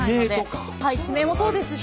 地名もそうですし。